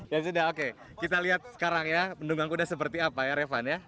ya sudah oke kita lihat sekarang ya penunggang kuda seperti apa ya revan ya